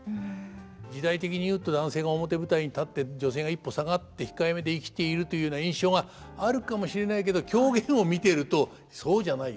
時代的にいうと男性が表舞台に立って女性が一歩下がって控えめで生きているというような印象があるかもしれないけど狂言を見ているとそうじゃないよ。